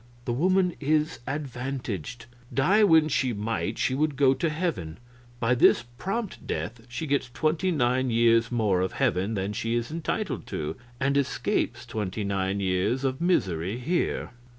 The woman is advantaged. Die when she might, she would go to heaven. By this prompt death she gets twenty nine years more of heaven than she is entitled to, and escapes twenty nine years of misery here."